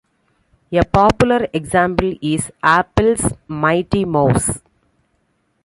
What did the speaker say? A popular example is Apple's Mighty Mouse.